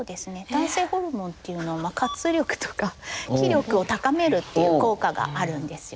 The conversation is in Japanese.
男性ホルモンっていうのは活力とか気力を高めるっていう効果があるんですよね。